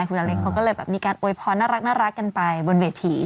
คุณน้ำเล็กเขาก็เลยมีการโอ้ยพร้อมน่ารักกันไปบนเวที